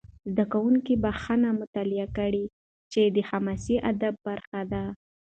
زده کوونکي بخښنه مطالعه کړي، چې د حماسي ادب برخه ده.